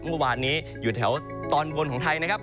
เมื่อวานนี้อยู่แถวตอนบนของไทยนะครับ